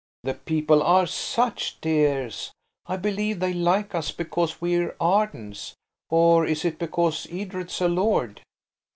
The people are such dears. I believe they like us because we're Ardens. Or is it because Edred's a lord?"